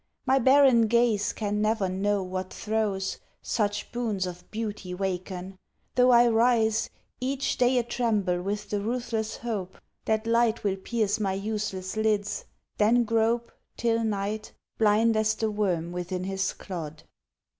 My barren gaze can never know what throes Such boons of beauty waken, tho' I rise Each day a tremble with the ruthless hope That light will pierce my useless lids then grope Till night, blind as the worm within his clod.